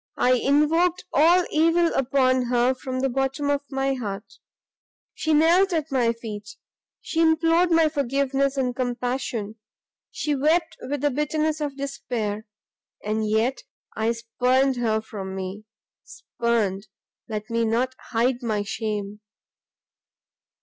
I invoked all evil upon her from the bottom of my heart She knelt at my feet, she implored my forgiveness and compassion, she wept with the bitterness of despair, and yet I spurned her from me! Spurned? let me not hide my shame!